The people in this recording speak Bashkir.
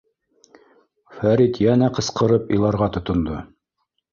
— Фәрит йәнә ҡысҡырып иларға тотондо.